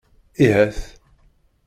Yhat